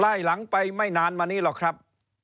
หลังไปไม่นานมานี้หรอกครับ